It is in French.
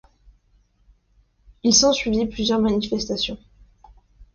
Il s'ensuivit plusieurs manifestations.